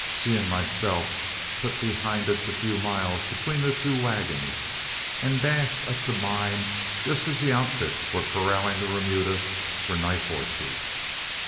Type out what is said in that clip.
Seay and myself put behind us the few miles between the two wagons, and dashed up to mine just as the outfit were corralling the remuda for night horses.